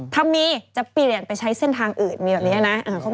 ถ้ามีจะเปลี่ยนไปใช้เส้นทางอื่นมีแบบนี้นะ